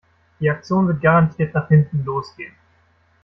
Die Aktion wird garantiert nach hinten los gehen.